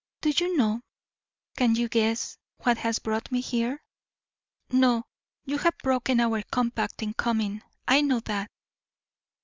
Do you know, can you guess, what has brought me here?" "No. You have broken our compact in coming, I know that!"